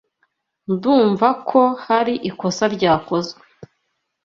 Ndumva ko hari ikosa ryakozwe.